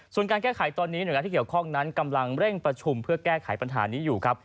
ส่วนการแก้ไขตอนนี้หน่วยงานที่เกี่ยวข้องนั้นกำลังเร่งประชุมเพื่อแก้ไขปัญหานี้อยู่ครับ